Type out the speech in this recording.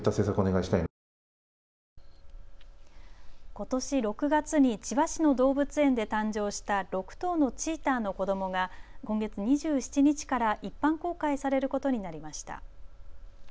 ことし６月に千葉市の動物園で誕生した６頭のチーターの子どもが今月２７日から一般公開されることになりました。